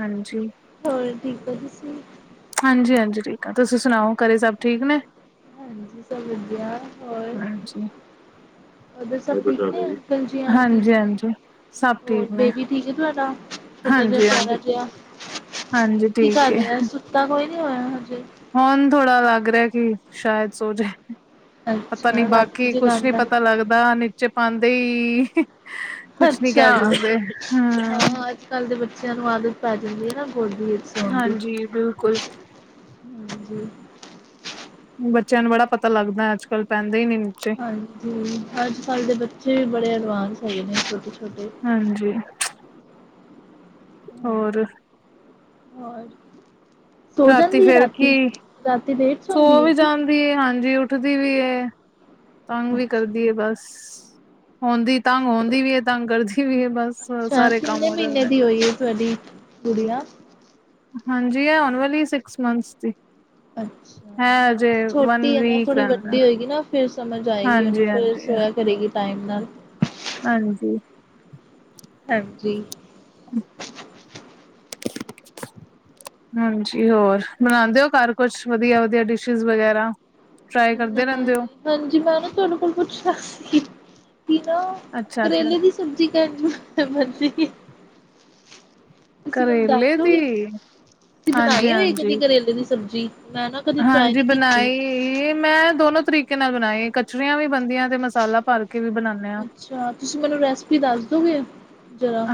ਹਾਂਜੀ, ਹੋਰ ਠੀਕ ਹੋ ਤੁਸੀਂ ਹਾਂਜੀ ਹਾਂਜੀ ਠੀਕ ਆ ਤੁਸੀਂ ਸੁਣਾਓ ਘਰੇ ਸਭ ਠੀਕ ਨੇ ਹਾਂਜੀ ਸਭ ਵਧੀਆ ਹੋਰ ਹਾਂਜੀ। ਉਧਰ ਸਭ ਠੀਕ ਨੇ ਅੰਕਲ ਜੀ ਆਂਟੀ ਜੀ ਹਾਂਜੀ-ਹਾਂਜੀ ਸਭ ਹੋਰ ਠੀਕ ਨੇ ਬੇਬੀ ਠੀਕ ਹੈ ਤੁਹਾਡਾ ਛੋਟਾ ਜਿਹਾ ਹਾਂਜੀ-ਹਾਂਜੀ, ਪਿਆਰਾ ਹਾਂਜੀ ਜਿਹਾ ਹਾਂਜੀ ਕੀ ਠੀਕ ਕਰ ਏ। ਰਿਹਾ ਸੁੱਤਾ ਪਿਆ ਕੀ ਹਾਂ ਹਜੇ ਹੁਣ ਥੋੜ੍ਹਾ ਲੱਗ ਰਿਹਾ ਕਿ ਸ਼ਾਇਦ ਸੋ ਜਾਏ ਪਤਾ ਨੀ ਅੱਛਾ ਰਾਤੀ ਬਾਕੀ ਕੁਛ ਨੀ ਜਗਾਂਦਾ ਪਤਾ ਲੱਗਦਾ ਨੀਚੇ ਪਾਉਂਦੇ ਹੀ ਅੱਛਾ ਹੂੰ, ਹਾਂ ਅੱਜ ਕੱਲ ਦੇ ਬੱਚਿਆਂ ਨੂੰ ਆਦਤ ਪੈ ਗਈ ਹੈ ਨਾ ਹੋਰ ਵੀ ਸੁ ਦੀ ਹਾਂਜੀ ਬਿਲਕੁਲ ਹਾਂਜੀ ਬੱਚਿਆਂ ਨੂੰ ਬੜਾ ਪਤਾ ਲੱਗਦਾ ਅੱਜ ਕੱਲ੍ਹ ਪੈਂਦੇ ਹੀ ਨ ਨਹੀਂ ਹਾਂਜੀ, ਅੱਜ ਕੱਲ੍ਹ ਦੇ ਬੱਚੇ ਵੀ ਬੜੇ ਐਡਵਾਂਸ ਹੈਗੇ ਨੇ ਛੋਟੇ ਛੋਟੇ। ਹਾਂਜੀ ਹੋਰ, ਹਾਂਜੀ ਹੋਰ ਸੋ ਰਾਤੀ ਜਾਂਦੀ ਹੈ ਫੇਰ ਕੀ ਰਾਤੀ-ਰਾਤੀ ਡੇਟ ਸੋ ਵੀ ਜਾਂਦੀ ਐ ਹਾਂਜੀ ਉੱਠਦੀ ਵੀ ਐ। ਤੰਗ ਵੀ ਅੱਛਾ, ਕਰਦੀ ਹੈ ਬਸ ਹੁੰਦੀ ਤੰਗ ਹੁਦੀ ਵੀ ਹੈ ਤੰਗ ਕਰਦੀ ਵੀ ਹੈ ਬਸ ਅੱਛਾ ਸਾਰੇ ਕੰਮ ਕਿੰਨੇ ਹੋ ਮਹੀਨੇ ਜਾਂਦੇ ਦੀ ਹੋਈ ਹੈ ਤੁਹਾਡੀ ਗੁੜੀਆਂ ਹਾਂਜੀ ਆਉਣ ਵਾਲੀ ਸਿਕਸ ਮੰਥਸ ਦੀ ਅੱਛਾ ਹੈ ਅਜੇ ਹਾਂਜੀ ਵਨ ਛੋਟੀ ਹੈ ਨਾ ਵੀਕ ਥੋੜੀ ਰਹਿੰਦਾ ਵੱਡੀ ਹੋਏਗੀ ਨਾ, ਫਿਰ ਸਮਝ ਆਏਗੀ ਉਹਨੂੰ ਹਾਂਜੀ ਫਿਰ ਹਾਂਜੀ ਸੋਇਆ ਕਰੇਗੀ ਟਾਈਮ ਨਾਲ ਹਾਂਜੀ, ਹਾਂਜੀ, [unintelligible] ਹਾਂਜੀ, ਹੋਰ ਬਣਾਦੇ ਹੋ ਘਰ ਕੁਛ ਵਧੀਆ ਵਧੀਆ ਡਿਸ਼ਿਜ਼ ਵਗੈਰਾ। ਟਰਾਈ ਕਰੋ, ਹਾਂਜੀ ਮੈਂਨੂੰ ਤੁਹਾਡੇ ਕੋਲ ਪੁੱਛਣਾ ਸੀ। ਕੀ ਨਾ ਅੱਛਾ ਅੱਛਾ ਕਰੇਲੇ ਦੀ ਸਬਜ਼ੀ ਕਹਿਣ ਮਰਜ਼ੀ, ਕਰੇਲੇ ਦੀ ਤੁਸੀਂ ਬਣਾਈ ਹੋਈ ਕਦੀ ਕਰੇਲੇ ਦੀ ਸਬਜ਼ੀ? ਮੈਂ ਨਾ ਕਦੀ ਟਰਾਈ ਹਾਂਜੀ-ਹਾਂਜੀ-ਹਾਂਜੀ ਨਹੀਂ ਕੀਤੀ। ਬਣਾਈ ਮੈਂ ਦੋਨੋ ਤਰੀਕੇ, ਕੇ ਨਾਲ ਬਣਾਈਏ ਕਚਰੀਆਂ ਵੀ ਬਣਦੀਆਂ ਤੇ ਮਸਾਲਾ ਭਰ ਕੇ ਵੀ ਬਣਾਦੇ ਹਾਂ ਅੱਛਾ, ਤੁਸੀਂ ਮੈਨੂੰ ਰੈਸਪੀ ਦੱਸ ਦੋਗੇ ਜਰਾ?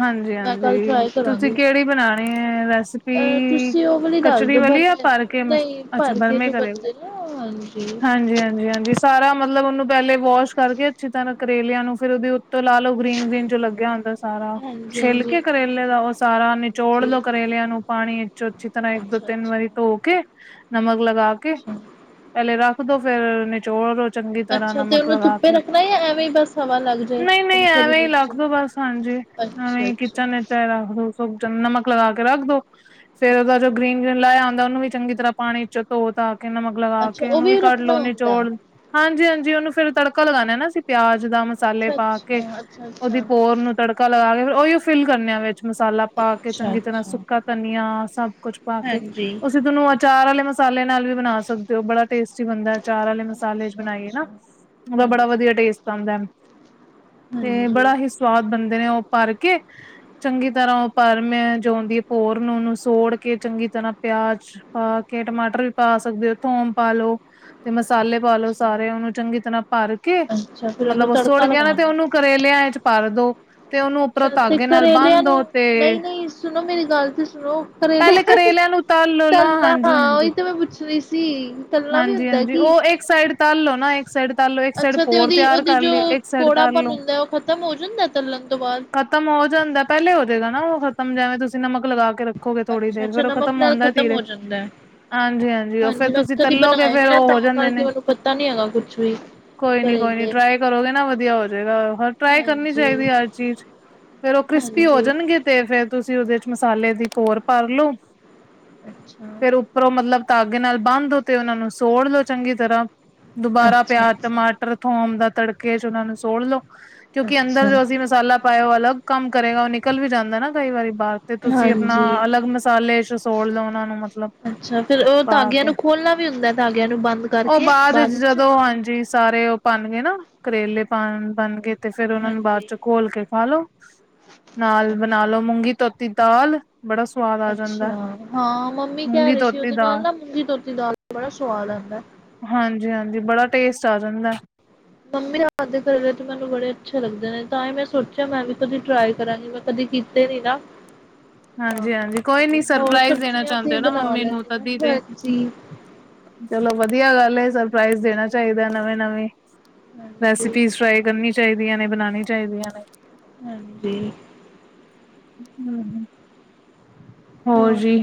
ਮੈਂ ਕੱਲ ਹਾਂਜੀ-ਹਾਂਜੀ ਟਰਾਈ ਤੁਸੀਂ ਕਰਾਂਗੀ। ਕਿਹੜੀ ਬਣਾਣੀ ਐ ਅ ਰੈਸਪੀ? ਤੁਸੀਂ ਉਹ ਵਾਲੀ ਦੱਸ ਚੀ ਦੋ ਪਰ ਵਾਲੀ ਆ ਭਰ ਕੇ ਮ ਨਹੀਂ ਅੱਛਾ ਭਰ ਕੇ ਬਰਮੇ ਜੋ ਕਰੇਗਾ ਬੰਦੇ ਨਾ ਹਾਂਜੀ ਹਾਂਜੀ-ਹਾਂਜੀ-ਹਾਂਜੀ ਸਾਰਾ, ਮਤਲਬ ਉਹਨੂੰ ਪਹਿਲੇ ਵਾਸ਼ ਕਰਕੇ ਅੱਛੀ ਤਰ੍ਹਾਂ ਕਰੇਲਿਆਂ ਨੂੰ ਫ਼ਿਰ ਉਹਦੇ ਉਤੇ ਲਾ ਲਓ ਗ੍ਰੀਨ-ਗ੍ਰੀਨ ਜੋ ਲੱਗਿਆ ਹੁੰਦਾ। ਹਾਂਜੀ ਛਿੱਲਕੇ ਹਾਂਜੀ ਕਰੇਲੇ ਦਾ ਉਹ ਸਾਰਾ ਨਿਚੋੜ ਹਾਂਜੀ ਦੋ ਕਰੇਲਿਆਂ ਨੂੰ ਪਾਣੀ ਵਿੱਚੋਂ ਅੱਛੀ ਤਰ੍ਹਾਂ ਇੱਕ ਦੋ ਅੱਛਾ ਤਿੰਨ ਅੱਛਾ ਵਾਰੀ ਧੋ ਕੇ ਨਮਕ ਲਗਾ ਕੇ ਅੱਛਾ ਪਹਿਲੇ ਰੱਖ ਦੋ ਫੇਰ ਚੋਲ ਚੰਗੀ ਤਰ੍ਹਾਂ ਅੱਛਾ ਤੇ ਨਮਕ ਉਹਨੂੰ ਲਗਾ ਧੁੱਪੇ ਕੇ ਰੱਖਣਾ ਜਾਂ ਐਵੇਂ ਹੀ ਬਸ ਹਵਾ ਲੱਗ ਜਾਏ ਨਹੀਂ ਨਹੀਂ ਪੰਖੇ ਦੇ ਐਵੇਂ ਹੀ ਵਿੱਚ ਲੱਗਦ ਬਸ ਹਾਂਜੀ ਅੱਛਾ ਨਵੇਂ ਅੱਛਾ ਕਿਚਨ ਵਿੱਚ ਰੱਖ ਦੋ ਸੁ ਨਮਕ ਲਗਾ ਕੇ ਰੱਖ ਦੋ ਫੇਰ ਉਹਦਾ ਜੋ ਅੱਛਾ ਗ੍ਰੀਨ'ਗ੍ਰੀਨ ਲਾਇਆ ਆਦਾ ਉਹਨੂੰ ਵੀ ਚੰਗੀ ਤਰ੍ਹਾਂ ਪਾਣੀ ਚ ਧੋ ਤਾ ਨਮਕ ਲਗਾ ਅੱਛਾ ਕੇ ਉਹ ਉਹਨੂੰ ਵੀ ਕੱਢ ਲਓ ਰੱਖਣਾ ਹੁੰਦਾ ਨਿਚੋਡਲੋ ਹਾਂਜੀ-ਹਾਂਜੀ ਉਹਨੂੰ ਫਿਰ ਤੜਕਾ ਲਗਾਉਣਾ ਨਾ ਸੀ ਪਿਆਜ ਦਾ ਮਸਾਲੇ ਅੱਛਾ ਪਾ ਕੇ ਅੱਛਾ ਅੱਛਾ ਉਹਦੀ ਅੱਛਾ ਪੋਰ ਨੂੰ ਤੜਕਾ ਲਗਾ ਕੇ ਉਹੀ ਉਹ ਫਿਲ ਕਰਨ ਆ ਵਿੱਚ ਮਸਾਲਾ ਪਾ ਕੇ ਅੱਛਾ ਚੰਗੀ ਤਰ੍ਹਾਂ ਅੱਛਾ ਸੁੱਕਾ ਧਨੀਆ ਸਭ ਕੁੱਛ ਪਾ ਕੇ ਹਾਂਜੀ ਅਸੀਂ ਤੁਨੂੰ ਅਚਾਰ ਵਾਲੇ ਮਸਾਲੇ ਨਾਲ ਵੀ ਬਣਾ ਸਕਦੇ ਹੋ ਬੜਾ ਟੇਸਟੀ ਬਣਦਾ ਚਾਰ ਵਾਲੇ ਮਸਾਲੇ ਚ ਅੱਛਾ ਬਣਾਈਏ ਨਾ ਅੱਛਾ ਉਹਦਾ ਬੜਾ ਹਾਂਜੀ ਵਧੀਆ ਟੇਸਟ ਆਦਾ ਹੈ ਤੇ ਹਾਂਜੀ ਬੜਾ ਹੀ ਸਵਾਦ ਹੁੰਦੇ ਨੇ ਉਹ ਭਰ ਕੇ ਚੰਗੀ ਤਰ੍ਹਾਂ ਉਹ ਪਰਮ ਜੋ ਆਦੀ ਹੈ ਭੋਰ ਨੂੰ ਉਹਨੂੰ ਸੋੜ ਕੇ ਚੰਗੀ ਤਰ੍ਹਾਂ ਪਿਆਜ ਪਾ ਕੇ ਟਮਾਟਰ ਵੀ ਪਾ ਸਕਦੇ ਹੋ ਥੋਮ ਪਾਲੋ ਤੇ ਮਸਾਲੇ ਪਾਾਲੋ ਅੱਛਾ ਸਾਰੇ ਉਹਨੂੰ ਚੰਗੀ ਤਰ੍ਹਾਂ ਭਰ ਕੇ ਅੱਛਾ ਫਿਰ ਉਹਨੂੰ ਮਤਲਬ ਉਹ ਸੁੱੜ ਤੜਕਾ ਗਿਆ ਨਾ ਤੇ ਲਗਾਉਣਾ ਉਹਨੂੰ ਕਰੇਲਿਆਂ ਚ ਭਰ ਦੋ ਤੇ ਉਹਨੂੰ ਉੱਪਰੋਂ ਅੱਛਾ ਤੇ ਧਾਗੇ ਨਾਲ ਕਰੇਲਿਆਂ ਬੰਨ ਦੋ ਨੂੰ ਤੇ ਨਹੀਂ'ਨਹੀਂ ਸੁਣੋ ਮੇਰੀ ਗੱਲ ਤੇ ਸੁਣੋ ਪਹਿਲੇ ਕਰੇਲਿਆਂ ਨੂੰ ਤਲ ਲੋ ਨਾ ਤੱਲਾ ਹਾਂਜੀ ਹਾਂ ਹਾਂਜੀ ਉਹੀ ਤੇ ਮੈਂ ਪੁੱਛ ਰੀ ਸੀ। ਚਲਣਾ ਵੀ ਹਾਂਜੀ ਹੁੰਦਾ ਹਾਂਜੀ ਕਿ ਉਹ ਇੱਕ ਸਾਈਡ ਤਲ ਲੋ ਨਾ ਇੱਕ ਸਾਈਡ ਤਲ ਲੋ ਇੱਕ ਸਾਈਡ ਅੱਛਾ ਤੇ ਭੋਰ ਤਿਆਰ ਉਹਦੀ-ਉਹਦੀ ਕਰ ਜੋ ਲਈ ਇੱਕ ਸਾਈਡ ਕੋੜ-' ਤਲ ਲੋ ਦ ਖਤਮ ਹੋੰ ਜਾਦਿ ਐਦਾ। ਖਤਮ ਹੋ ਜਾਂਦਾ ਪਹਿਲੇ ਹੋ ਜਾਵੇਗਾ ਨਾ ਉਹ ਖਤਮ ਜਿਵੇਂ ਤੁਸੀਂ ਨਮਕ ਲਗਾ ਕੇ ਰੱਖੋਗੇ ਥੋੜ੍ਹੀ ਅੱਛਾ ਦੇਰ ਅੱਛਾ ਫੇਰ ਉਹ ਨਮਕ ਖ਼ਤਮ ਨਾਲ ਹੁੰਦਾ ਧੀਰੇ ਹੋ ਜਾਂਦਾ ਹੈ ਹਾਂਜੀ-ਹਾਂਜੀ ਉਹ ਫੇਿਰ ਹਾਂਜੀ ਮੈਂ ਤੁਸੀਂ ਕਦੀ ਤਲੋਗੇ ਬਣਾਏ ਨੀ ਫੇਰ ਨਾ ਉਹ ਤਾਂ ਹੋ ਜਾਂਦੇ ਕਰਕੇ ਨੇ ਮੈਨੂੰ ਪਤਾ ਨੀ ਹੈਗਾ ਕੁਛ ਵੀ ਕੋਈ ਨੀ ਕੋਈ ਨੀ ਕਰੇਲੇ ਟਰਾਈ ਕਰੋਗੇ ਨਾ ਵਧੀਆ ਹੋ ਜਾਏਗਾ ਟਰਾਈ ਕਰਨੀ ਹਾਂਜੀ ਚਾਹੀਦੀ ਹਰ ਚੀਜ਼ ਫੇਰ ਉਹ ਕ੍ਰਿਸਪੀ ਹੋ ਹਾਂਜੀ ਜਾਣਗੇ ਤੇ ਫੇਰ ਤੁਸੀਂ ਉਹਦੇ ਚ ਮਸਾਲੇ ਦੀ ਕੋਰ ਭਰਲੋ ਅੱਛਾ ਫੇਿਰ ਉੱਪਰੋਂ ਮਤਲਬ ਧਾਗੇ ਨਾਲ ਬੰਧੋ ਤੇ ਉਹਨਾ ਨੂੰ ਸੋੜ ਲਓ ਚੰਗੀ ਤਰ੍ਹਾਂ ਦੁਬਾਰਾ ਅੱਛਾ ਪਿਆਜ ਅੱਛਾ ਟਮਾਟਰ ਥੋਮ ਦਾ ਤੜਕੇ ਚ ਉਹਨਾ ਨੂੰ ਸੋੜ ਲਓ ਕਿਉਂਕਿ ਅੰਦਰ ਅੱਛਾ ਜੋ ਅਸੀਂ ਮਸਾਲਾ ਉਹ ਅਲੱਗ ਕੰਮ ਕਰੇਗਾ ਉਹ ਨਿਕਲ ਵੀ ਜਾਂਦਾ ਨਾ ਕਈ ਵਾਰੀ ਬਰ ਤੇ ਤੁਸੀਂ ਆਪਣਾ ਹਾਂਜੀ ਅਲੱਗ ਮਸਾਲੇ ਸੋੜ ਲਓ ਉਹਨਾਂ ਨੂੰ ਮਤਲਬ ਅੱਛਾ ਫੇਿਰ ਉਹ ਪਾ ਧਾਗਿਆਂ ਕੇ ਨੂੰ ਖੋਲਣਾ ਵੀ ਹੁੰਦਾ ਧਾਗਿਆਂ ਨੂੰ ਬੰਦ ਉਹ ਕਰਕੇ ਬਾਅਦ ਵਿੱਚ ਜਦੋਂ ਹਾਂਜੀ ਸਾਰੇ ਉਹ ਪਣ ਗਏ ਨਾ ਕਰੇਲੇ ਪਾ ਬਣ ਗਏ ਤੇ ਫੇਿਰ ਉਹਨਾਂ ਨੂੰ ਬਾਅਦ ਹਾਂਜੀ ਚ ਘੋਲ ਕੇ ਖਾ ਲੋ ਨਾਲ ਬਣਾ ਅੱਛਾ ਲੋ ਮੂੰਗੀ ਧੋਤੀ ਦਾਲ ਬੜਾ ਸਵਾਦ ਆ ਜਾਂਦਾ ਅੱਛਾ ਹਾਂ ਮੰਮੀ ਕਹਿ ਮੂੰਗੀ ਰਹੇ ਸੀ ਧੋਤੀ ਉਹਦੇ ਨਾਲ ਦਾਲ ਨਾ ਮੂੰਗੀ ਧੋਤੀ ਦਾਲ ਬੜਾ ਸਵਾਦ ਹੈ ਹਨ [inaudible] ਹਾਂਜੀ ਹਾਂਜੀ ਬੜਾ ਟੇਸਟ ਆ ਜਾਂਦਾ ਮੰਮੀ ਰਾ ਦੇ ਘਰ ਮੈਨੂੰ ਬੜੇ ਅੱਛੇ ਲੱਗਦੇ ਨੇ ਤਾਂ ਮੈਂ ਸੋਚਿਆ ਮੈਂ ਵੀ ਕਦੀ ਟਰਾਈ ਕਰਾਂਗੀ ਮੈਂ ਕਦੀ ਕੀਤੇ ਸੀ ਨਾ ਤਾਂ ਹਾਂਜੀ-ਹਾਂਜੀ ਕੋਈ ਕਰਕੇ ਨੀ ਹੋਰ ਸਰਪ੍ਰਾਈਜ਼ ਦੇਣਾ ਸਬਜ਼ੀਆਂ ਚਾਹੁੰਦੇ ਤੇ ਹੋ ਨਾ ਬਣਾ ਮੰਮੀ ਲੈਣੇ ਨੂੰ ਨੇ ਤਦੀ ਤੇ ਮਲਾਂਜੀ ਚਲੋ ਵਧੀਆ ਗੱਲ ਸਰਪ੍ਰਜ਼ ਦੇਣਾ ਚਾਹੀਦਾ ਨਵੇ ਨਵੀ ਹਾਂਜੀ ਰੈਸਪੀ ਟਰਾਈ ਕਰਨੀ ਚਾਹੀਦੀ ਆਂ ਨੇ ਬਣਾਉਣੀ ਚਾਹੀਦੀਆਂ ਨੇ ਹਾਂਜੀ ਹਮ ਹ ਹੋਰ ਜੀ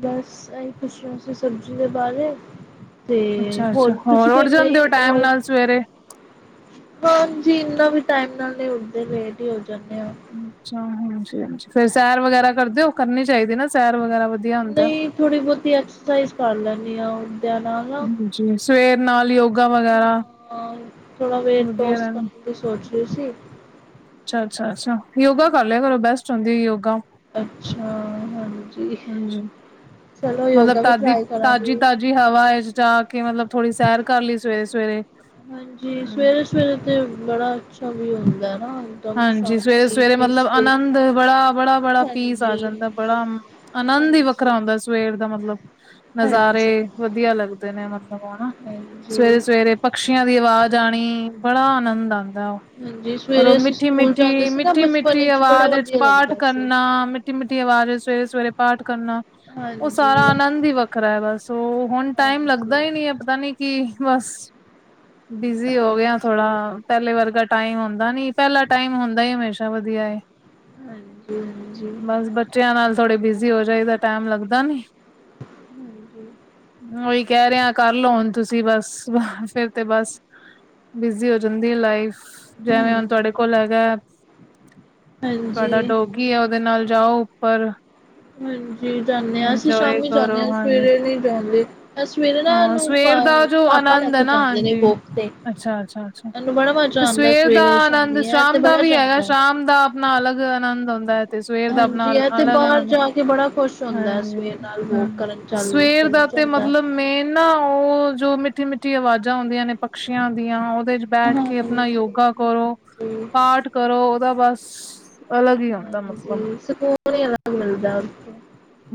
ਬਸ ਇਹੀ ਪੁੱਛਣਾ ਸੀ ਸਬਜ਼ੀ ਦੇ ਬਾਰੇ ਤੇ ਹੋਰ ਅੱਛਾ-ਅੱਛਾ ਤੁਸੀਂ ਕੋਈ ਉੱਠ ਇਨਾ ਜਾਂਦੇ ਹੀ ਹੋ ਟਾਈਮ ਹੋਰ ਨਾਲ ਸਵੇਰੇ ਹਾਂਜੀ ਇੰਨਾ ਵੀ ਟਾਈਮ ਨਾਲ ਨਹੀਂ ਉੱਠਦੇ ਲੇਟ ਹੀ ਹੋ ਜਾਂਦੇ ਆ ਅੱਛਾ ਹਾਂ ਹਾਂ ਫਰ ਸੈਰ ਵਗੈਰਾ ਕਰਦੇ ਹੋ ਉਹ ਕਰਨੀ ਚਾਹੀਦੀ ਨਾ ਸੈਰ ਵਗੈਰਾ ਵਧੀਆ ਹੁੰਦਾ ਨਹੀਂ ਥੋੜ੍ਹੀ ਬਹੁਤੀ ਐਕਸਰਸਾਈਜ਼ ਕਰ ਲੈਦੀ ਆ ਉਹ ਜੀ ਸਵੇਰ ਨਾਲ ਯੋਗਾ ਵਗੈਰਾ ਥੋੜਾ ਵੇਟ ਵਧੀਆ ਲੋਸ ਕਰਨ ਦੀ ਸੋਚ ਰਹੀ ਸੀ ਅੱਛਾ ਅੱਛਾ ਅੱਛਾ ਯੋਗਾ ਕਰ ਲਿਆ ਕਰੋ ਬੈਸਟ ਹੁੰਦੀ ਆ ਯੋਗਾ ਅੱਛਾ ਹਾਂਜੀ ਹਾਂਜੀ ਚਲੋ ਮਤਲਬ ਯੋਗਾ ਵੀ ਤਾਜੀ ਟਰਾਈ ਤਾਜ਼ੀ ਕਰਾਂਗੇ। ਤਾਜ਼ੀ ਹਵਾ ਚ ਜਾਗ ਮਤਲਬ ਥੋੜ੍ਹੀ ਸੈਰ ਕਰ ਲਈ ਸਵੇਰੇ ਸਵੇਰੇ ਹਾਂਜੀ ਸਵੇਰੇ ਸਵੇਰੇ ਤੇ ਬੜਾ ਅੱਛਾ ਵੀ ਹੁੰਦਾ ਨਾ ਇਕਦਮ ਹਾਂਜੀ ਸਵੇਰੇ ਸ਼ਾਂਤੀ ਸਵੇਰੇ ਮਤਲਬ ਪੀਸਫੁਲ ਆਨੰਦ ਬੜਾ ਬੜਾ ਬੜਾ ਫੀਸ ਆ ਹਾਂਜੀ ਜਾਂਦਾ ਬੜਾ ਆਨੰਦ ਹੀ ਹਾਂਜੀ ਵੱਖਰਾ ਹੁੰਦਾ ਸਵੇਰ ਦਾ ਮਤਲਬ ਨਜ਼ਾਰੇ ਹਾਂਜੀ ਵਧੀਆ ਲੱਗਦੇ ਨੇ ਮਤਲਬ ਸਵੇਰੇ ਹਾਂਜੀ ਸਵੇਰੇ ਪਕਸ਼ੀਆਂ ਦੀ ਆਵਾਜ਼ ਆਉਣੀ ਬੜਾ ਆਨੰਦ ਆਉਂਦਾ ਹਾਂਜੀ ਸਵੇਰੇ ਅਸੀਂ ਮਿੱਠੀ ਸਕੂਲ ਜਾਂਦੇ ਸੀ ਨਾ ਮਿੱਠੀ ਬਚਪਨ ਮਿੱਠੀ ਵਿੱਚ ਬੜਾ ਆਵਾਜ਼ ਵਿੱਚ ਵਧੀਆ ਪਾਠ ਲੱਗਦਾ ਸੀ। ਕਰਨਾ ਮਿੱਠੀ ਮਿੱਠੀ ਆਵਾਜ਼ ਸਵੇਰੇ ਸਵੇਰੇ ਪਾਠ ਕਰਨਾ ਹਾਂਜੀ ਉਹ ਸਾਰਾ ਆਨੰਦ ਹੀ ਵੱਖਰਾ ਹੈ ਬਸ ਉਹ ਹੁਣ ਟਾਈਮ ਹਾਂਜੀ, ਲੱਗਦਾ ਹੀ ਨਹੀ ਹੈ ਪਤਾ ਨੀ ਕਿ ਬਸ ਬਿਜੀ ਹੋ ਗਿਆ ਹਾਂਜੀ, ਥੋੜਾ ਸਹੀ। ਪਹਿਲੇ ਵਰਗਾ ਟਾਈਮ ਹੁੰਦਾ ਨੀ ਪਹਿਲਾ ਟਾਈਮ ਹੁੰਦਾ ਹੀ ਹਮੇਸ਼ਾ ਵਧੀਆ ਏ ਹਾਂਜੀ, ਹਾਂਜੀ, ਬਸ ਬੱਚਿਆਂ ਨਾਲ ਥੋੜੇ ਬਿਜ਼ੀ ਹੋ ਜਾਈ ਦਾ ਟੈਮ ਲੱਗਦਾ ਨੀ ਉਹੀ ਕਹਿ ਰਿਹਾ ਕਰ ਲੋ ਹੁਣ ਤੁਸੀਂ ਬਸ ਫੇਰ ਤੇ ਬਸ ਬਿਜ਼ੀ ਹੋ ਜਾਂਦੀ ਲਾਈਫ ਜਿਵੇਂ ਹੁਣ ਹਾਂਜੀ। ਤੁਹਾਡੇ ਕੋਲ ਹੈਗਾ ਤੁਹਾਡਾ ਹਾਂਜੀ, ਡੋਗੀ ਹੈ ਉਹਦੇ ਨਾਲ ਜਾਓ ਉੱਪਰ ਹਾਂਜੀ ਜਾਨੇ ਹਾਂ ਅਸੀਂ ਇੰਜੋਏ ਸ਼ਾਮੀ ਜਾਨੇ ਕਰੋ ਹਾਂ ਹਾਂਜੀ ਸਵੇਰੇ ਨਹੀਂ ਜਾਣਦੇ ਸਵੇਰੇ ਨਾ ਹਾਂ ਨੂੰ ਸਵੇਰ ਦਾ ਜੋ ਪਾਪਾ ਲੈ ਆਨੰਦ ਹੈ ਕੇ ਨਾ ਜਾਂਦੇ ਨੇ ਹਾਂਜੀ ਵੋਕ ਤੇ ਅੱਛਾ ਅੱਛਾ ਅੱਛਾ ਇਹਨੂੰ ਬੜਾ ਮਾ ਤੇ ਸਵੇਰ ਦਾ ਆਨੰਦ ਸ਼ਾਮ ਦਾ ਵੀ ਹੈਗਾ ਜਾਂਦਾ। ਸ਼ਾਮ ਦਾ ਆਪਣਾ ਅਲੱਗ ਆਨੰਦ ਆਉਂਦਾ ਤੇ ਸਵੇਰ ਦਾ ਆਪਣਾ ਹਾਂਜੀ ਇਹ ਤੇ ਅਲਗ ਬਾਹਰ ਆਨੰਦ ਜਾ ਕੇ ਬੜਾ ਖੁਸ਼ ਹੁੰਦਾ ਹਾਂਜੀ ਸਵੇਰ ਨਾਲ ਵੋਕ ਹਮ ਕਰਨ ਚੱਲ ਸਵੇਰ ਚਲਾ ਦਾ ਤੇ ਜਾਂਦਾ। ਮਤਲਬ ਮੇਨ ਨਾ ਉਹ ਜੋ ਮਿੱਠੀ ਮਿੱਠੀ ਆਵਾਜ਼ਾਂ ਹੁੰਂਦੀਆਂ ਨੇ ਪਕਸ਼ੀਆਂ ਦੀਆਂ ਦੇ ਚ ਬੈਠ ਕੇ ਆਪਣਾ ਹਾਂਜੀ-ਹਾਂਜੀ, ਯੋਗਾ ਕਰੋ ਹਾਂਜੀ ਪਾਠ ਕਰੋ ਉਹਦਾ ਬਸ ਅਲੱਗ ਹੀ ਹੁੰਦਾ ਮਤਲਬ ਹਾਂਜੀ ਸਕੂਨ ਹੀ ਅਲਗ ਮਿਲਦਾ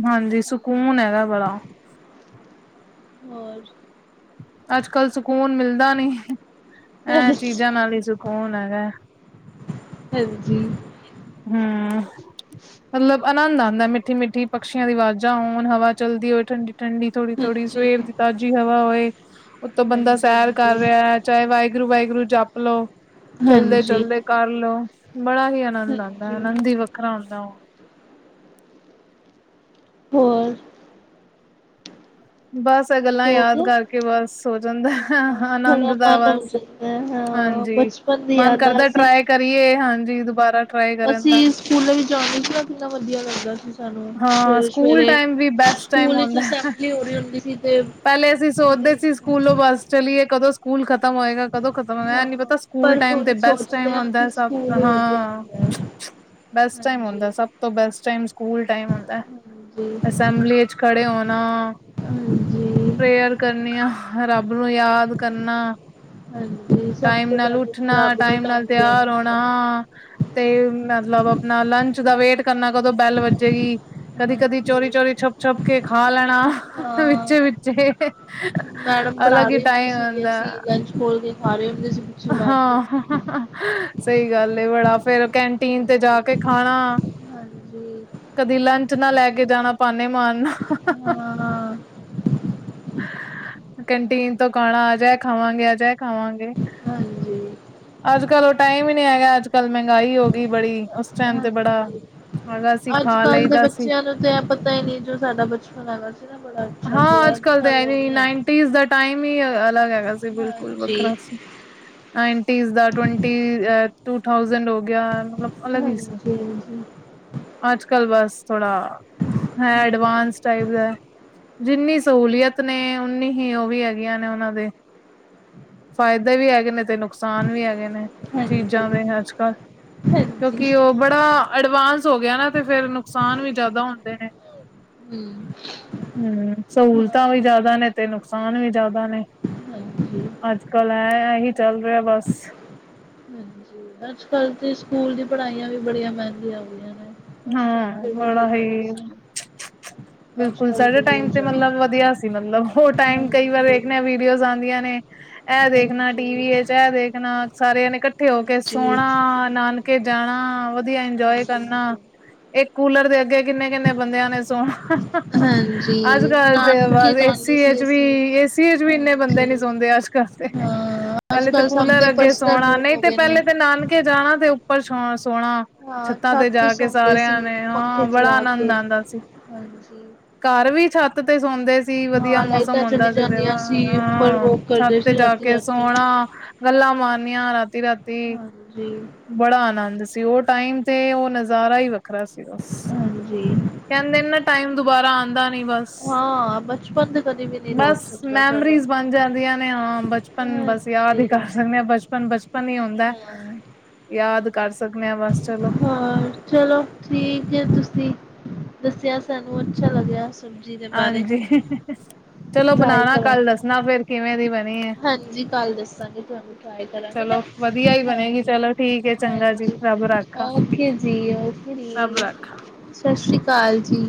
ਹਾਂਜੀ ਸਕੂਨ ਹੈਗਾ ਬੜਾ ਹੋਰ? ਅੱਜ-ਕੱਲ ਸਕੂਨ ਮਿਲਦਾ ਨੀ ਇਹ ਹਾਂਜੀ, ਚੀਜ਼ਾਂ ਨਾਲ ਹੀ ਸਕੂਨ ਕੋਨ ਹੈਗਾ, ਹਾਂਜੀ, ਹੂੰ, ਮਤਲਬ ਆਨੰਦ ਆਉਂਦਾ ਮਿੱਠੀ-ਮਿੱਠੀ ਪਕਸ਼ੀਆਂ ਦੀ ਆਵਾਜ਼ਾਂ ਹੋਣ ਹਵਾ ਚਲਦੀ ਹੋਵੇ ਠੰਡੀ ਠੰਡੀ ਥੋੜੀ-ਥੋੜੀ ਹਾਂਜੀ, ਸਵੇਰ ਦੀ ਤਾਜ਼ੀ ਹਵਾ ਹੋਏ ਉਤੋਂ ਬੰਦਾ ਸੈਰ ਕਰ ਹਾਂਜੀ, ਰਿਹਾ ਹੈ ਚਾਹੇ ਵਾਹਿਗੁਰੂ ਵਾਹਿਗੁਰੂ ਵਾਹਿਗੁਰੂ ਜਪ ਲਓ ਹਾਂਜੀ, ਚਲਦੇ-ਚਲਦੇ ਕਰਲੋ ਬੜਾ ਹੀ ਆਨੰਦ ਆਉਂਦਾ। ਹਾਂਜੀ ਅਨੰਦ ਹੀ ਵੱਖਰਾ ਹੁੰਦਾ। ਹੋਰ? ਬਸ ਇਹ ਗੱਲਾਂ ਸੋ ਯਾਦ ਗਏ? ਕਰਕੇ ਬਸ ਹੋ ਜਾਂਦਾ ਹਾਂ ਆਨੰਦ ਥੋੜਾ ਦਾ ਮਨ ਹੋ ਬਸ ਜਾਂਦਾ ਹੈ ਹਾਂ ਹਾਂਜੀ ਹਾਂਜੀ ਬਚਪਨ ਦੀ ਮਨ ਯਾਦਾਂ ਕਰਦਾ ਅਸੀਂ ਟਰਾਈ ਕਰੀਏ ਹਾਂਜੀ ਦੁਬਾਰਾ ਟਰਾਈ ਕਰਨ ਦਾ ਅਸੀਂ ਸਕੂਲਾਂ ਵਿੱਚ ਜਾਣਦੇ ਸੀ ਕਿੰਨਾ ਵਧੀਆ ਲੱਗਦਾ ਸੀ ਸਾਨੂੰ ਹਾਂ ਸਵੇਰੇ ਸਕੂਲ ਸਵੇਰੇ ਟਾਈਮ ਵੀ ਬੈਸਟ ਸਕੂਲ ਟਾਈਮ ਵਿੱਚ ਹੁੰਦਾ ਅਸੈਂਬਲੀ ਹੋ ਰਹੀ ਹੁੰਦੀ ਸੀ ਤੇ ਕਰਦੇ ਸੀ ਕਿੰਨੀ ਸਕੂਲੋਂ ਬੱਸ ਚਲੀਏ ਕਦੋਂ ਖਤਮ ਹੋਏਗਾ ਕਦੋਂ ਖਤਮ ਹੋ ਐ ਹਾਂ ਨੀ ਪਤਾ ਸਕੂਲ ਪਰ ਟਾਈਮ ਤੇ ਹੁਣ ਬੈਸਟ ਟਾਈਮ ਸੋਚਦੇ ਹਾਂ ਹੁੰਦਾ ਕਿ ਹੈ ਸਭ ਸਕੂਲ ਹੀ ਵਧੀਆ ਹਾਂ ਹੁੰਦਾ ਹੈ। ਬੈਸਟ ਟਾਈਮ ਹਾਂਜੀ ਹੁੰਦਾ ਸਭ ਤੋਂ ਬੈਸਟ ਟਾਈਮ ਸਕੂਲ ਟਾਈਮ ਹਾਂਜੀ ਅਸੈਂਬਲੀ ਵਿਚ ਖੜੇ ਹੋਣਾ ਹਾਂਜੀ ਪ੍ਰੇਅਰ ਕਰਨੀਆਂ। ਰੱਬ ਨੂੰ ਯਾਦ ਕਰਨਾ, ਹਾਂਜੀ, ਸਭ ਟਾਈਮ ਤੋਂ ਨਾਲ ਪਹਿਲੇ ਉੱਠਣਾ ਤਾਂ ਰੱਬ ਨੂੰ ਟਾਈਮ ਨਾਲ ਦੇਣਾ ਤਿਆਰ ਹੋਣਾ ਹੁੰਦਾ ਹੈ। ਤੇ ਮਤਲਬ ਆਪਣਾ ਲੰਚ ਦਾ ਵੇਟ ਕਰਨਾ ਕਦੋਂ ਬੈਲ ਵੱਜੇਗੀ ਕਦੀ ਕਦੀ ਹਾਂਜੀ ਚੋਰੀ-ਚੋਰੀ ਛੁਪ-ਛੁਪ ਕੇ ਖਾ ਲੈਣਾ। ਹਾਂ ਵਿਚੇ-ਵਿਚੇ ਮੈਡਮ ਪੜ੍ਹਾ ਅਲਗ ਹੀ ਰਹੀ ਹੁੰਦੀ ਟਾਈਮ ਸੀ ਹੁੰਦਾ। ਅਸੀਂ ਲੰਚ ਖੋਲ ਕੇ ਖਾ ਰਹੇ ਹੁੰਦੇ ਸੀ ਪਿੱਛੇ ਬੈਠ ਕੇ ਹਾਂ। ਸਹੀ ਗੱਲ ਏ ਬੜਾ ਫੇਰ ਕੈਂਟੀਨ ਤੇ ਜਾ ਕੇ ਹਾਂਜੀ ਖਾਣਾ ਹਾਂਜੀ ਕਦੀ ਲੰਚ ਨਾ ਲੈ ਕੇ, ਕੇ ਜਾਣਾ ਪਾਨੇ ਮਾਰਨਾ ਹਾਂ ਕੈਂਟੀਨ ਤੋਂ ਖਾਣਾ ਅਜਇ ਖਾਵਾਂਗੇ ਅਜੇ ਖਾਵਾਂਗੇ। ਹਾਂਜੀ ਅੱਜ ਕੱਲ ਉਹ ਟਾਈਮ ਹੀ ਨਹੀਂ ਹੈਗਾ ਅੱਜ ਕੱਲ ਮਹਿੰਗਾਈ ਹੋ ਗਈ ਬੜੀ ਉਸ ਟਾਈਮ ਤੇ ਬੜਾ ਹੈਗਾ ਸੀ ਖਾ ਅੱਜ-ਕੱਲ ਦੇ ਲਈਦਾ ਸੀ ਬੱਚਿਆਂ ਨੂੰ ਤਾਂ ਇਹ ਪਤਾ ਹੀ ਨਹੀ ਜੋ ਸਾਡਾ ਬਚਪਨ ਹੈਗਾ ਸੀ। ਨਾ ਬੜਾ ਅੱਛਾ ਸੀ ਹਾਂ, ਅੱਜ ਕੱਲ ਤੇ ਕੱਲ੍ਹ ਉਹ ਐਵੀਂ ਨਹੀਂ ਹੈ ਨਾਈਨਟੀਜ਼ ਦਾ ਟਾਈਮ ਹੀ ਅਲੱਗ ਹੈਗਾ ਸੀ ਬਿਲਕੁਲ ਹਾਂਜੀ ਵੱਖਰਾ ਸੀ। ਨਾਇਨ ਟਿਜ ਦਾ ਟਵੱਟੀ ਟੂ ਥਾਉਜੇਟ ਹੋ ਗਿਆ ਮਤਲਬ ਅਲੱਗ ਹਾਂਜੀ-ਹਾਂਜੀ, ਅੱਜ ਕੱਲ ਬਸ ਥੋੜਾ ਐ ਹਾਂ ਐਡਵਾਂਸ ਟਾਈਪ ਦਾ। ਜਿੰਨੀ ਸਹੂਲੀਅਤ ਨੇ ਉਨੀ ਹੀ ਉਹ ਵੀ ਹੈਗੀਆਂ ਨੇ ਉਹਨਾਂ ਦੇ ਫਾਇਦੇ ਵੀ ਹੈਗੇ ਨੇ ਤੇ ਨੁਕਸਾਨ ਵੀ ਹੈਗੇ ਨੇ ਹਾਂਜੀ ਹਾਂਜੀ ਚੀਜ਼ਾਂ ਦੇ ਅੱਜ ਕੱਲ ਕਿਉਂਕਿ ਉਹ ਬੜਾ ਅਡਵਾਂਸ ਹੋ ਗਿਆ ਨਾ ਤੇ ਫੇਰ ਨੁਕਸਾਨ ਵੀ ਜ਼ਿਆਦਾ ਹੁੰਦੇ ਨੇ। ਹੂੰ, ਹੂੰ, ਸਹੂਲਤਾਂ ਵੀ ਜ਼ਿਆਦਾ ਨੇ ਤੇ ਨੁਕਸਾਨ ਵੀ ਜ਼ਿਆਦਾ ਨੇ, ਹਾਂਜੀ ਹਾਂਜੀ ਅੱਜ-ਕੱਲ ਐ ਐ ਹੀ ਚੱਲ ਰਿਹਾ ਬਸ ਹਾਂਜੀ, ਅੱਜ ਕੱਲ ਤੇ ਸਕੂਲ ਦੀ ਪੜ੍ਹਾਈਆਂ ਵੀ ਬੜੀਆਂ ਮਹਿੰਗੀਆਂ ਹੋ ਗਈਆਂ ਨੇ। ਉਸ ਟਾਈਮ ਹਾਂ ਫਿਰ ਵੀ ਬੜਾ ਠੀਕ ਹੈਗੇ ਹੀ ਸੀ ਅੱਜ ਬਿਲਕੁਲ ਕੱਲ੍ਹ ਸਾਡੇ ਤਾਂ ਟਾਈਮ ਬਹੁਤ ਤੇ ਜ਼ਿਆਦਾ ਮਤਲਬ ਵਧੀਆ ਸੀ ਮਤਲਬ ਓ ਟਾਈਮ ਕਈ ਵਾਰ ਹਾਂਜੀ ਇੱਕ ਨਾ ਵੀਡੀਓਜ਼ ਆਂਦੀਆ ਨੇ ਇਹ ਦੇਖਣਾ ਹਾਂਜੀ ਟੀ ਵੀ ਇਹ ਦੇਖਣਾ ਸਾਰਿਆਂ ਨੇ ਇਕੱਠੇ ਹੋ ਕੇ ਹਾਂਜੀ ਸੋਣਾ ਨਾਨਕੇ ਜਾਣਾ ਵਧੀਆ ਇੰਜੋਏ ਹਾਂਜੀ ਕਰਨਾ। ਇੱਕ ਕੂਲਰ ਦੇ ਅੱਗੇ ਕਿੰਨੇ-ਕਿੰਨੇ ਬੰਦਿਆਂ ਨੇ ਸੋਣਾ। ਹਾਂਜੀ ਅੱਜ-ਕੱਲ ਤੇ ਨਾਨਕੇ ਬਸ ਏਸੀ ਜਾਂਦੇ ਏ ਸੀ ਚ ਵੀ ਅਸੀਂ ਏਸੀ ਏ ਚ ਵੀ ਇੰਨੇ ਬੰਦੇ ਨੀ ਹਾਂਜੀ ਸੌਦੇ ਅੱਜ-ਕੱਲ। ਕਰਦੇ ਹਾਂ ਅੱਜ ਪਹਿਲੇ ਤੇ ਕੱਲ੍ਹ ਸਭ ਕੂਲਰ ਦੇ ਅੱਗੇ ਪਰਸਨਲ ਸੋਣਾ ਰੂਮ ਨਹੀਂ ਹੋ ਤੇ ਗਏ ਨੇ ਪਹਿਲੇ ਤੇ ਨਾਨਕੇ ਜਾਣਾ ਤੇ, ਉੱਪਰ ਸੋ ਸੋਣਾ ਹਾਂ ਛੱਤਾਂ ਛੱਤ ਤੇ ਜਾ ਕੇ ਸੌਂਦੇ ਸੀ ਸਾਰਿਆਂ ਨੇ ਪੰਖੇ ਹਾਂ ਬੜਾ ਚਲਾ ਕੇ ਆਨੰਦ ਆਂਦਾ ਸੀ। ਹਾਂਜੀ, ਘਰ ਵੀ ਛੱਤ ਤੇ ਸੌਂਦੇ ਸੀ, ਹਾਂ ਵਧੀਆ ਮੌਸਮ ਲਾਈਟਾਂ ਚਲੀ ਹੁੰਦਾ ਸੀ, ਜਾਂਦੀਆਂ ਉੱਪਰ ਆ ਵੋਕ ਛੱਤ ਕਰਦੇ ਤੇ ਸੀ ਜਾ ਕੇ ਰਾਤੀ-ਰਾਤੀ। ਸੋਣਾ, ਗੱਲਾਂ ਮਾਰ ਨੀਆ, ਰਾਤੀ-ਰਾਤੀ ਹਾਂਜੀ-ਹਾਂਜੀ। ਬੜਾ ਆਨੰਦ ਸੀ, ਉਹ ਟਾਈਮ ਤੇ ਉਹ ਨਜ਼ਾਰਾ ਹੀ ਵੱਖ ਖਰਾ ਸੀ ਬਸ। ਕਹਿੰਦੇ ਨੇ ਨਾ ਟਾਈਮ ਦੁਬਾਰਾ ਆਂਦਾ ਨੀ ਬਸ, ਹਾਂ ਬਚਪਨ ਤੇ ਕਦੇ ਵੀ ਨਹੀਂ ਬਸ ਰੋਟ ਸਕਦਾ ਸਾਡਾ। ਮੈਮਰੀਜ਼ ਬਣ ਜਾਂਦੀਆਂ ਨੇ। ਹਾਂ ਬਚਪਨ ਬਸ ਯਾਦ ਹਾਂਜੀ ਹੀ ਕਰ ਲੈਂਦੇਂ ਆ, ਬਚਪਨ-ਬਚਪਨ ਹੀ ਹੁੰਦਾ। ਹਾਂ। ਯਾਦ ਕਰ ਸਕਨੇ ਆ, ਬਸ ਚਲੋ। ਹਾਂ ਚਲੋ ਠੀਕ ਐ, ਤੁਸੀਂ ਦੱਸਿਆ ਸਾਨੂੰ ਅੱਛਾ ਲੱਗਿਆ। ਸਬਜ਼ੀ ਦੇ ਬਾਰੇ ਹਾਂਜੀ, ਚਲੋ ਟਰਾਈ ਬਣਾਣਾ ਕੱਲ, ਕਰਾਂਗੇ। ਦੱਸਣਾ ਫੇਰ ਕਿਵੇਂ ਦੀ ਬਣ ਹਾਂਜੀ ਕੱਲ ਦੱਸਾਂਗੀ, ਤੁਹਾਨੂੰ ਟਰਾਈ ਕਰਾਂਗੀ ਨਾ। ਚਲੋ ਵਧੀਆ ਹੀ ਬਣੇਗੀ ਹਾਂਜੀ, ਚਲੋ ਠੀਕ ਹੈ ਚੰਗਾ ਜੀ ਹਾਂਜੀ। ਰੱਬ ਰਾਖਾ ਓਕੇ ਜੀ, ਓਕੇ। ਰੱਬ ਰਾਖਾ ਸਤਿ ਸ਼੍ਰੀ ਅਕਾਲ ਜੀ।